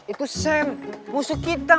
itu sam musuh kita